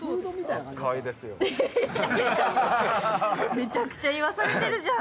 めちゃくちゃ言わされてるじゃん。